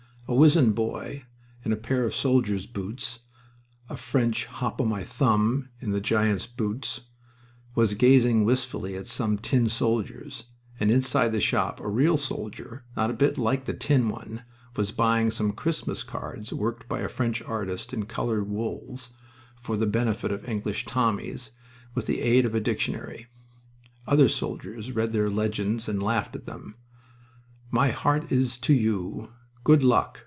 A wizened boy, in a pair of soldier's boots a French Hop o' My Thumb in the giant's boots was gazing wistfully at some tin soldiers, and inside the shop a real soldier, not a bit like the tin one, was buying some Christmas cards worked by a French artist in colored wools for the benefit of English Tommies, with the aid of a dictionary. Other soldiers read their legends and laughed at them: "My heart is to you." "Good luck."